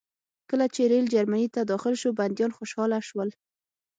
کله چې ریل جرمني ته داخل شو بندیان خوشحاله شول